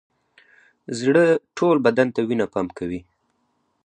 زړه ټول بدن ته وینه پمپ کوي